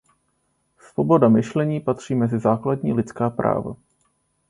Svoboda myšlení patří mezi základní lidská práva.